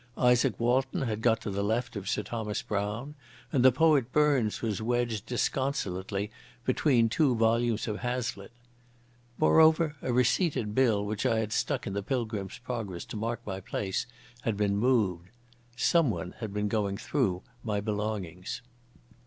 Izaak Walton had got to the left of Sir Thomas Browne, and the poet Burns was wedged disconsolately between two volumes of Hazlitt. Moreover a receipted bill which I had stuck in the Pilgrim's Progress to mark my place had been moved. Someone had been going through my belongings.